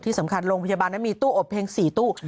สำคัญโรงพยาบาลนั้นมีตู้อบเพียง๔ตู้